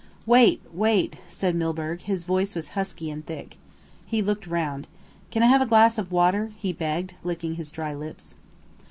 "Wait, wait!" said Milburgh. His voice was husky and thick. He looked round. "Can I have a glass of water?" he begged, licking his dry lips.